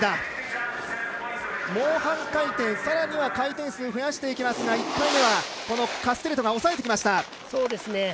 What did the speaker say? もう半回転、さらには回転数を増やしていきますが１回目はカステリェトは抑えてきました。